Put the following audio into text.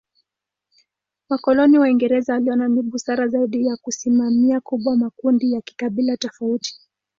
Wakoloni Waingereza waliona ni busara zaidi ya kusimamia kubwa makundi ya kikabila tofauti.